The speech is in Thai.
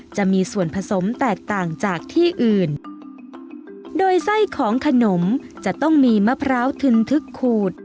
จะมีส่วนผสมแตกต่างจากที่อื่นโดยไส้ของขนมจะต้องมีมะพร้าวทึนทึกขูด